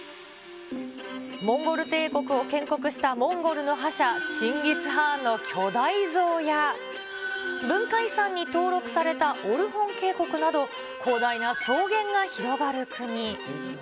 モンゴル帝国を建国したモンゴルの覇者、チンギス・ハーンの巨大像や、文化遺産に登録されたオルホン渓谷など、広大な草原が広がる国。